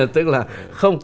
tức là không